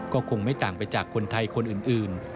ก็คงไม่ต่างไปจากคนไทยคนอื่น